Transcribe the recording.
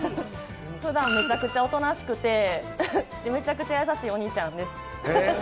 ふだんめちゃくちゃおとなしくて、めちゃくちゃ優しいお兄ちゃんです。